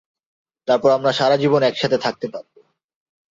তারপর আমরা সারাজীবন একসাথে থাকতে পারবো!